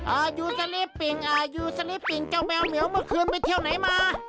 อ่ายูสลิปปิงอ่าอยู่สลิปปิงเจ้าแมวเหมียวเมื่อคืนไปเที่ยวไหนมา